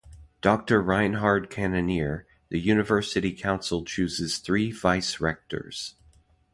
Doctor Reinhard Kannonier, the University Council chooses three Vice-Rectors.